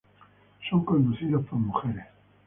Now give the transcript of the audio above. Son conducidos por mujeres.